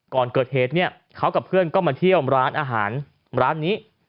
ก่อนเกิดเหตุเนี่ยเขากับเพื่อนก็มาเที่ยวร้านอาหารร้านนี้